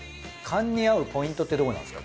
燗に合うポイントってどこにあるんですか？